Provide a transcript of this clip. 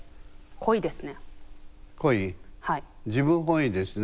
自分本位ですね。